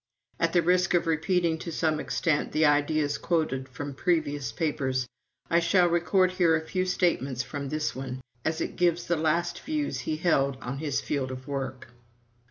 At the risk of repeating to some extent the ideas quoted from previous papers, I shall record here a few statements from this one, as it gives the last views he held on his field of work.